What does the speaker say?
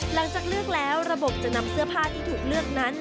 หลังจากเลือกแล้วระบบจะนำเสื้อผ้าที่ถูกเลือกนั้น